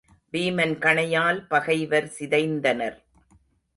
வீமன் கணையால் பகைவர் சிதைந்தனர்.